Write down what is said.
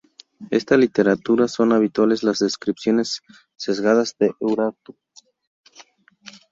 En esta literatura son habituales las descripciones sesgadas de Urartu.